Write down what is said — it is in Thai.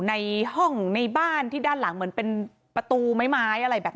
ในห้องในบ้านที่ด้านหลังเหมือนเป็นประตูไม้อะไรแบบนี้